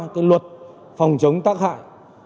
cái luật phòng chống tác hại